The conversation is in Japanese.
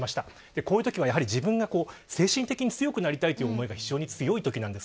こういうときは自分が精神的に強くなりたいという思いが非常に強いときなんです。